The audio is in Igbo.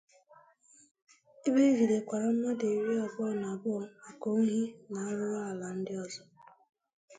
ebe e jidekwara mmadụ iri abụọ na abụọ maka ohi na arụrụ ala ndị ọzọ